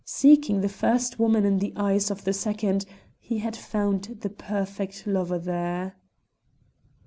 Seeking the first woman in the eyes of the second, he had found the perfect lover there!